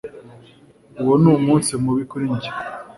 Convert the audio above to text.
uwo ni umunsi mubi kuri njye